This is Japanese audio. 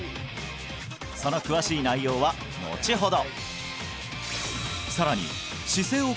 その詳しい内容はのちほど！